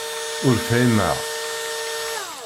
Ur fhimeɣ.